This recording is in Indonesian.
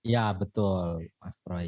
ya betul mas troy